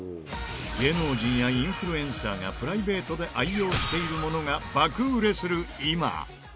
芸能人やインフルエンサーがプライベートで愛用しているものが爆売れする今。